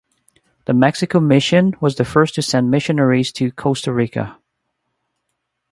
The Mexico Mission was the first to send missionaries to Costa Rica.